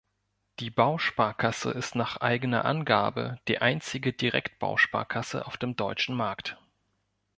Die Bausparkasse ist nach eigener Angabe die einzige Direkt-Bausparkasse auf dem deutschen Markt.